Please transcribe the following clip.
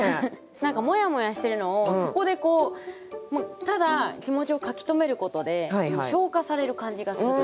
何かモヤモヤしてるのをそこでこうただ気持ちを書き留めることで消化される感じがするというか。